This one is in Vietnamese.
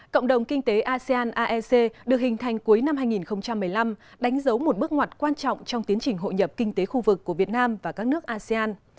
cộng đồng kinh tế asean aec được hình thành cuối năm hai nghìn một mươi năm đánh dấu một bước ngoặt quan trọng trong tiến trình hội nhập kinh tế khu vực của việt nam và các nước asean